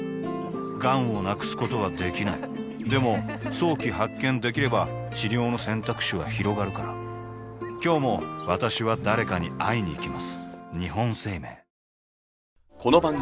がんを無くすことはできないでも早期発見できれば治療の選択肢はひろがるから今日も私は誰かに会いにいきます